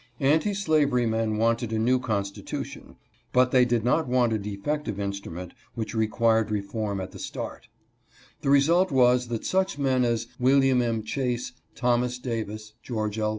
Anti slavery men wanted a new constitution, but they did not want a (272) ABOLITIONISTS IN RHODE ISLAND. 273 defective instrument which required reform at the start. The result was that such men as William M. Chase, Thomas Davis, George L.